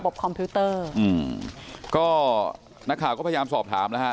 คอมพิวเตอร์อืมก็นักข่าวก็พยายามสอบถามแล้วฮะ